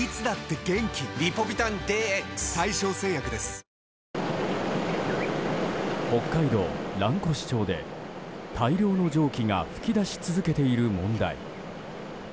サントリー「翠」北海道蘭越町で、大量の蒸気が噴き出し続けている問題。